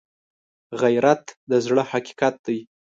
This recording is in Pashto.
غیرت د زړه حقیقت دی